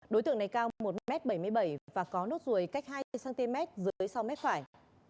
đối tượng này cao một m bảy mươi bảy và có nốt ruồi cách hai cm dưới sau mép phải